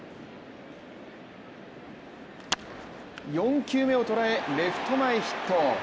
４球目を捉え、レフト前ヒット。